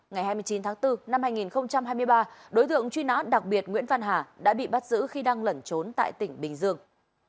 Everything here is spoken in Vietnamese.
ngày hai mươi chín tháng bốn năm hai nghìn hai mươi ba đối tượng truy nã đặc biệt nguyễn văn hà đã bị bắt giữ khi đang lẩn trốn tại tỉnh bình dương